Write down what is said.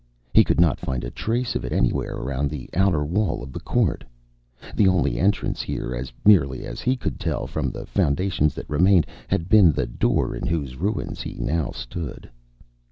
He could not find a trace of it anywhere around the outer wall of the court. The only entrance here, as nearly as he could tell from the foundations that remained, had been the door in whose ruins he now stood.